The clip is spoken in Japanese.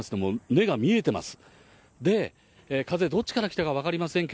根が見えてます。